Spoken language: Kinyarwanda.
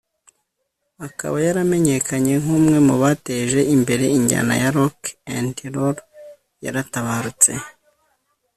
akaba yaramenyekanye nk’umwe mu bateje imbere injyana ya Rock ‘n Roll yaratabarutse